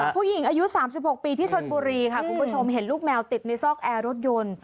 ผู้หญิงอายุ๓๖ปีที่ชนบุรีค่ะคุณผู้ชมเห็นลูกแมวติดในซอกแอร์รถยนต์